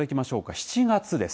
７月です。